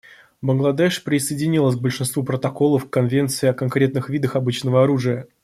Бангладеш присоединилась к большинству протоколов к Конвенции о конкретных видах обычного оружия.